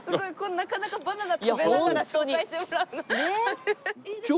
なかなかバナナ食べながら紹介してもらうの初めて。